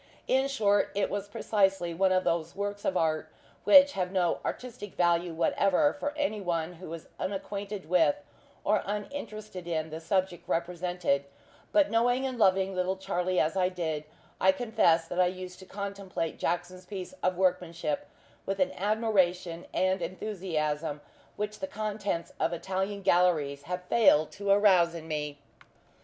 In short, it was precisely one of those works of art which have no artistic value whatever for any one who is unacquainted with, or uninterested in, the subject represented; but knowing and loving little Charlie as I did, I confess that I used to contemplate Jackson's piece of workmanship with an admiration and enthusiasm which the contents of Italian gallaries have failed to arouse in me.